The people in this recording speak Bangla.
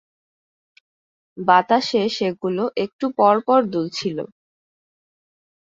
বাতাসে সেগুলো একটু পরপর দুলছিল।